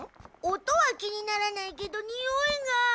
音は気にならないけどにおいが。